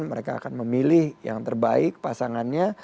mereka akan memilih yang terbaik pasangannya